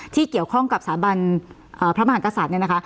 ที่เกี่ยวข้องกับสถาบันพระมหากษัตริย์เนี่ยนะคะ